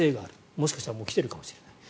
もしかしたらもう来ているかもしれない。